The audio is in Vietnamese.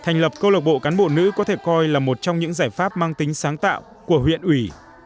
nữ có thể coi là một trong những giải pháp mang tính sáng tạo của huyện ủy